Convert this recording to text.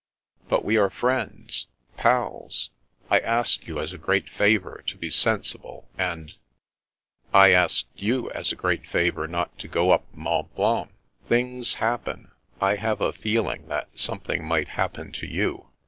'* But we are friends, pals. I ask you, as a great favour, to be sensible, and "" I asked you as a great favour not to go up Mont Blanc. Things happen. I have a feeling that some thing might happen to you.